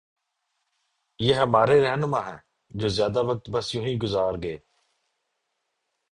یہ ہمارے رہنما ہیں جو زیادہ وقت بس یونہی گزار گئے۔